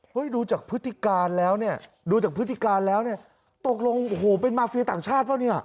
เห้ยดูจากพฤติการแล้วนี่ตกลงโอโหเป็นมาร์เฟียต่างชาติรึเปล่า